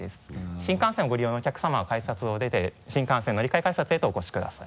新幹線をご利用のお客さまは改札を出て新幹線乗り換え改札へとお越しください。